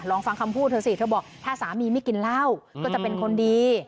ลองฟังคำพูดเธอสิเธอบอกถ้าสามีไม่กินเหล้าก็จะเป็นคนดี